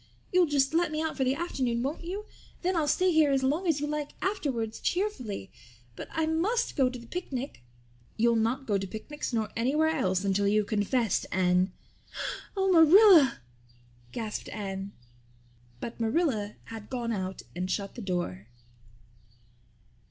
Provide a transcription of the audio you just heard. You'll just let me out for the afternoon, won't you? Then I'll stay here as long as you like afterwards cheerfully. But I must go to the picnic." "You'll not go to picnics nor anywhere else until you've confessed, Anne." "Oh, Marilla," gasped Anne. But Marilla had gone out and shut the door.